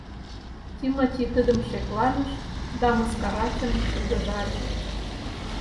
Тимоти тидым шекланыш да мыскарачын шыргыжале.